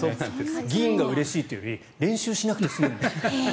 銀がうれしいというより練習しなくて済むんだと。